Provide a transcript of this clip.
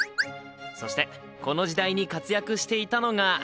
そしてこの時代に活躍していたのが。